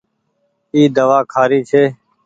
اي دوآ کآري ڇي۔